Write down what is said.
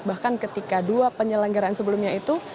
bahkan ketika dua penyelenggaraan sebelumnya itu